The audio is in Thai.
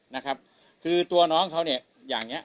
นะครับคือตัวน้องเขาเนี่ยอย่างเนี้ย